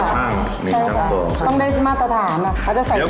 ต้องได้มาตรฐาน